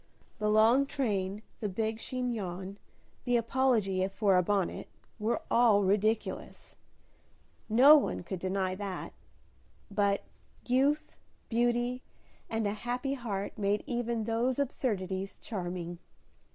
The long train, the big chignon, the apology for a bonnet, were all ridiculous, no one could deny that, but youth, beauty, and a happy heart made even those absurdities charming.